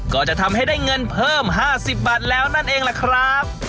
ก็จะทำให้ได้เงินเพิ่ม๕๐บาทแล้วนั่นเองล่ะครับ